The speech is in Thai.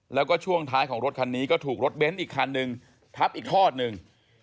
แล้วก็ช่วงท้ายของรถคันนี้ก็ถูกรถเบ้นอีกคันหนึ่งทับอีกทอดหนึ่ง